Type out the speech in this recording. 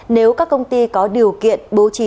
nếu các công ty có điều kiện bố trí